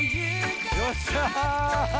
よっしゃ。